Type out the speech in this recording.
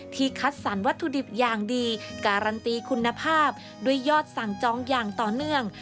คัดสรรวัตถุดิบอย่างดีการันตีคุณภาพด้วยยอดสั่งจองอย่างต่อเนื่อง